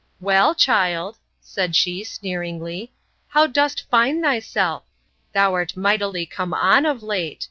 Well, child, said she, sneeringly, how dost find thyself? Thou'rt mightily come on, of late!